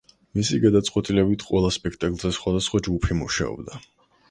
მისი გადაწყვეტილებით, ყველა სპექტაკლზე სხვადასხვა ჯგუფი მუშაობდა.